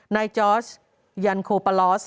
นายจอร์จยันโคปะลอส